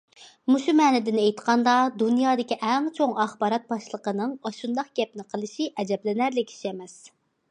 مۇشۇ مەنىدىن ئېيتقاندا، دۇنيادىكى ئەڭ چوڭ ئاخبارات باشلىقىنىڭ ئاشۇنداق گەپنى قىلىشى ئەجەبلىنەرلىك ئىش ئەمەس.